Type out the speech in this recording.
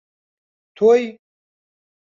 تۆی: